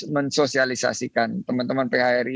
mensosialisasikan teman teman phri